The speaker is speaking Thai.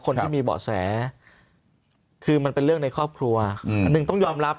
คนที่มีเบาะแสคือมันเป็นเรื่องในครอบครัวอันหนึ่งต้องยอมรับ